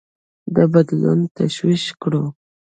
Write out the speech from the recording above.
د بدلونونه تشویق کړو.